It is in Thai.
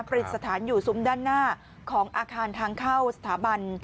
ปริศฐานอยู่ซุ้มด้านหน้าของอาคารทางเข้าสถาบัน